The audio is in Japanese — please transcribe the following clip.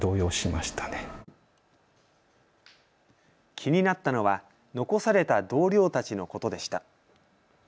気になったのは残された同僚たちのことでした。